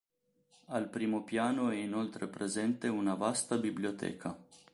Al primo piano è inoltre presente una vasta biblioteca.